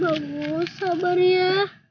bagus sabar ya